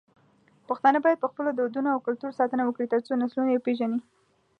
پښتانه بايد په خپلو دودونو او کلتور ساتنه وکړي، ترڅو نسلونه يې وپېژني.